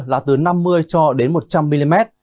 là từ năm mươi cho đến một trăm linh mm